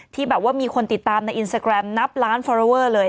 ที่แบบว่ามีคนติดตามในอินสตาแกรมนับล้านฟอลอเวอร์เลย